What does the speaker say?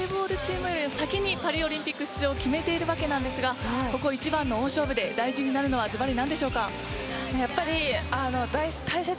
そして北口選手はバレーボールチームより先にパリオリンピック出場を決めているわけですがここ一番の大勝負で大事になるのはズバリ、何でしょうか。